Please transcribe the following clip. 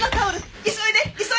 急いで急いで！